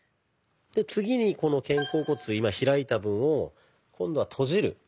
で次にこの肩甲骨今開いた分を今度は閉じる。